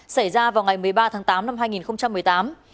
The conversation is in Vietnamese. xảy ra vào ngày một mươi ba tháng tám năm hai nghìn một mươi tám